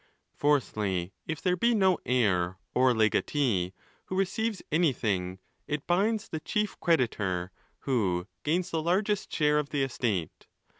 Fourthly, if there be no heir or legatee who receives anything, it binds the chief creditor, who | gains the largest share of the estate.